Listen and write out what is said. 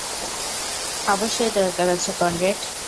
অবশ্যই দরকার আছে, কনরেড।